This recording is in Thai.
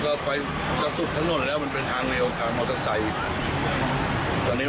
ถ้าสิบหกรูปก็มาหยุดเทมาแทบเดียว